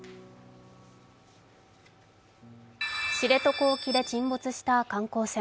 知床沖で沈没した観光船。